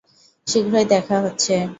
শীঘ্রই দেখা হচ্ছে।